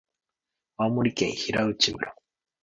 青森県平内町